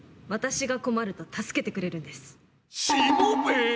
私が困ると助けてくれるんです。